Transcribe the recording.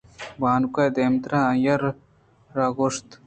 بانک ءَ دیمترا آئی ءَ راگوٛشت